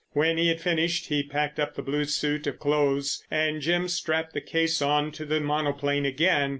When he had finished he packed up the blue suit of clothes and Jim strapped the case on to the monoplane again.